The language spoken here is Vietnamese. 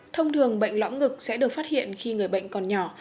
thông thường bệnh lõm ngực sẽ được phát hiện khi người bệnh còn nhỏ